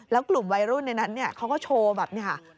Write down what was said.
แล้วกลุ่มวัยรุ่นในนั้นเขาก็โชว์แบบนี้ค่ะ